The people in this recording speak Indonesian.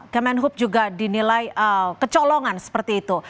kemenhub juga dinilai kecolongan seperti itu